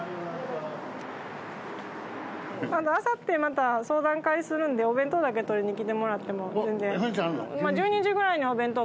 あさってまた、相談会するんで、お弁当だけ取りに来てもらっても、全然。。